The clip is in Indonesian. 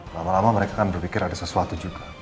lama lama mereka kan berpikir ada sesuatu juga